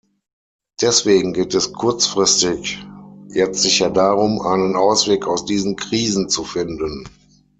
Deswegen geht es kurzfristig jetzt sicher darum, einen Ausweg aus diesen Krisen zu finden.